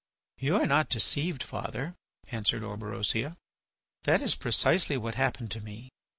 "You are not deceived, father," answered Orberosia. "That is precisely what happened to me.